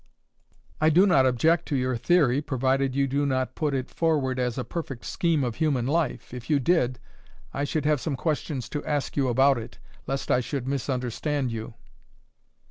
"I do not object to your theory, provided you do not put it forward as a perfect scheme of human life. If you did, I should have some questions to ask you about it, lest I should misunderstand you."